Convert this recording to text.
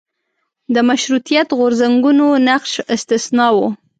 د مشروطیت غورځنګونو نقش استثنا و.